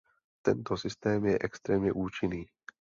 Tento systém je extrémně účinný.